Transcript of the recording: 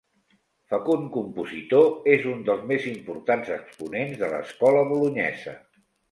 Fecund compositor, és un dels més importants exponents de l'escola bolonyesa.